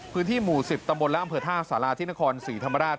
พื้นที่หมู่๑๐ตำบลและอำเภอท่าสาราที่นครศรีธรรมราช